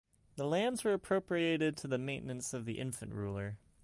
The lands were appropriated to the maintenance of the infant ruler.